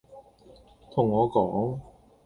同我講